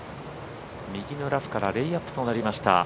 右のラフからレイアップとなりました。